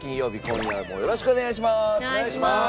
今夜もよろしくお願いします。